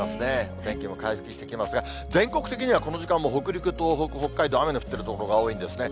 お天気も回復してきますが、全国的にはこの時間も北陸、東北、北海道、雨の降っている所が多いんですね。